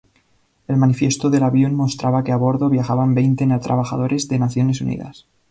El manifiesto del avión mostraba que a bordo viajaban veinte trabajadores de Naciones Unidas.